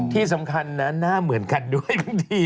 ที่สำคัญนะน่าเหมือนกันด้วยคุณที่